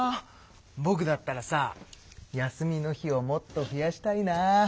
ぼくだったらさ休みの日をもっと増やしたいな。